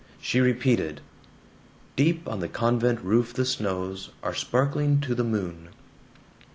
She repeated: Deep on the convent roof the snows Are sparkling to the moon.